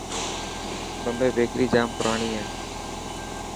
بمبي بيڪر جام پراڻي هي.